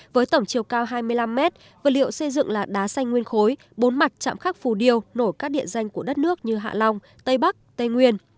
vật liệu xây dựng là đá xanh nguyên khối bốn mặt chạm khắc phù điều nổi các điện danh của đất nước như hạ long tây bắc tây nguyên